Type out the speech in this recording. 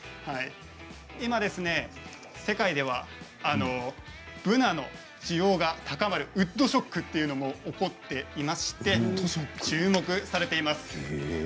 今、世界ではブナの需要が高まるウッドショックというのも起こっていまして注目されています。